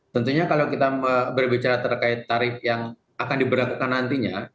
tentunya kalau kita berbicara terkait tarif yang akan diberlakukan nantinya